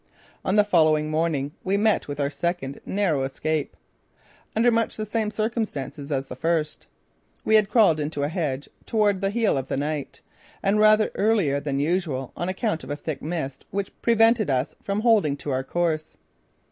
On the following morning we met with our second narrow escape, under much the same circumstances as the first. We had crawled into a hedge toward the heel of the night, and rather earlier than usual on account of a thick mist which prevented us from holding to our course.